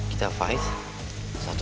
kita fight satu lawan satu